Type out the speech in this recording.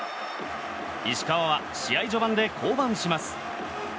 石川は試合序盤で降板します。